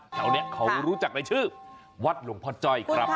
แถวนี้เขารู้จักในชื่อวัดหลวงพ่อจ้อยครับ